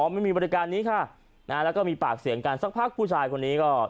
ไม่มีบริการนี้ค่ะนะฮะแล้วก็มีปากเสียงกันสักพักผู้ชายคนนี้ก็